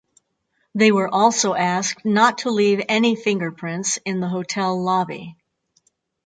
They were also asked not to leave any fingerprints in the hotel lobby.